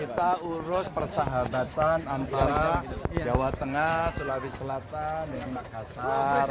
kita urus persahabatan antara jawa tengah sulawesi selatan dengan makassar